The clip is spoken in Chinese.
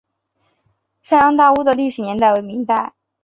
上洋大屋的历史年代为明代。